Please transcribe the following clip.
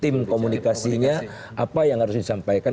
tim komunikasinya apa yang harus disampaikan